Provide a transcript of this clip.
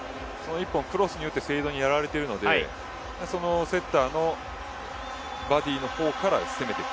１本クロスに打ってセイエドにやられているのでセッターの方から攻めていく。